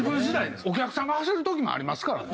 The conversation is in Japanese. お客さんが走る時もありますからね。